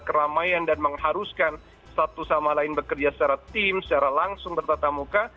keramaian dan mengharuskan satu sama lain bekerja secara tim secara langsung bertata muka